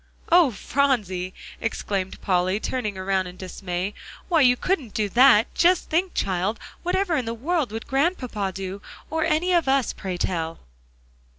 "Oh, Phronsie!" exclaimed Polly, turning around in dismay, "why, you couldn't do that. Just think, child, whatever in the world would Grandpapa do, or any of us, pray tell?"